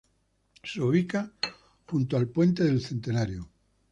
Se ubica junto al Puente del Centenario.